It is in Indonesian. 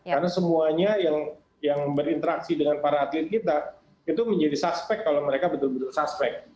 karena semuanya yang berinteraksi dengan para atlet kita itu menjadi suspek kalau mereka betul betul suspek